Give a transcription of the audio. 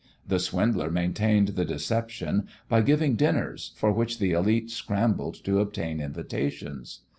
The swindler maintained the deception by giving dinners, for which the élite scrambled to obtain invitations.